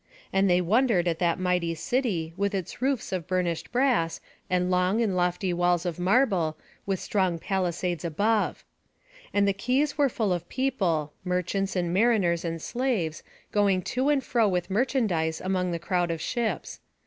And they wondered at that mighty city, with its roofs of burnished brass, and long and lofty walls of marble, with strong palisades above. And the quays were full of people, merchants, and mariners, and slaves, going to and fro with merchandise among the crowd of ships.